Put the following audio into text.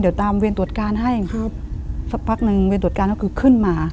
เดี๋ยวตามเวรตรวจการให้ครับสักพักหนึ่งเวรตรวจการก็คือขึ้นมา